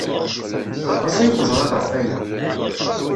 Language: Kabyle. Aṭas ay teẓra ɣef waya.